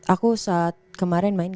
aku saat kemarin main